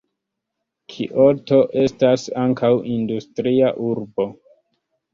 Kioto estas ankaŭ industria urbo.